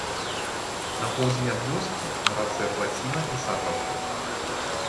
На поўдзень ад вёскі на рацэ плаціна і сажалка.